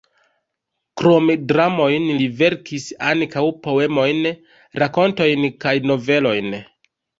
Krom dramojn li verkis ankaŭ poemojn, rakontojn kaj novelojn.